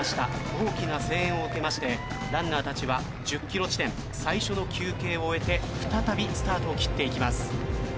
大きな声援を受けましてランナーたちは１０ｋｍ地点最初の休憩を終えて再びスタートを切っていきます。